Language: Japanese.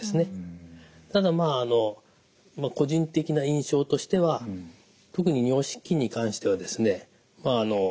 ただまああの個人的な印象としては特に尿失禁に関してはですね